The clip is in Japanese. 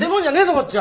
こっちは！